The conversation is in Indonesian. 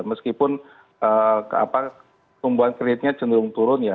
meskipun tumbuhan kreditnya cenderung turun ya